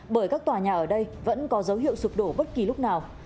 bởi các tòa nhà ở đây vẫn có dấu hiệu sụp đổ bất kỳ lúc nào